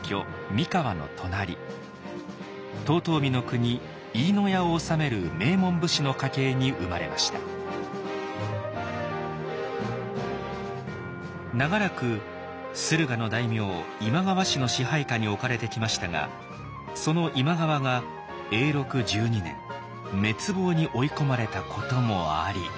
三河の隣長らく駿河の大名今川氏の支配下に置かれてきましたがその今川が永禄１２年滅亡に追い込まれたこともあり。